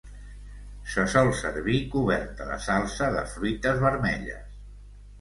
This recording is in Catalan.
Se sol servir coberta de salsa de fruites vermelles.